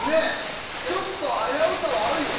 ちょっと危うさはあるよね？